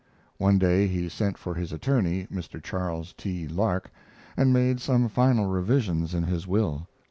One day he sent for his attorney, Mr. Charles T. Lark, and made some final revisions in his will.